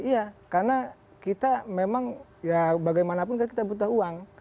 iya karena kita memang ya bagaimanapun kan kita butuh uang